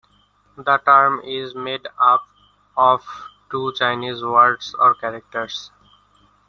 The term is made up of two Chinese words or characters.